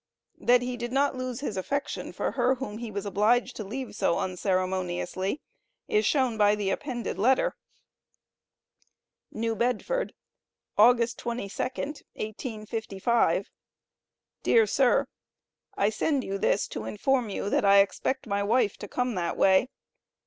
That he did not lose his affection for her whom he was obliged to leave so unceremoniously, is shown by the appended letter: NEW BEDFORD, August 22d, 1855. DEAR SIR: I send you this to inform you that I expect my wife to come that way.